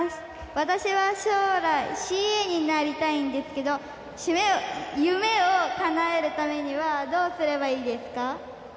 私は将来ＣＡになりたいんですけど夢をかなえるためにはどうすればいいですか？